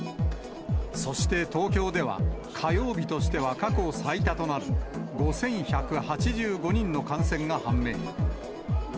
そして東京では、火曜日としては過去最多となる５１８５人の感染が判明。